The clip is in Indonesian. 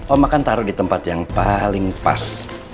oh makan taruh di tempat yang paling pas